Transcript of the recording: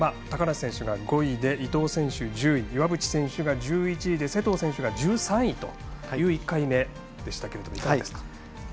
高梨選手が５位伊藤選手が１０位岩渕選手が１１位で勢藤選手が１３位という１回目でしたがいかがですか？